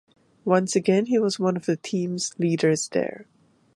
Once again he was one of the team's leaders there.